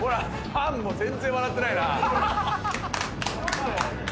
「ハンもう全然笑ってないな」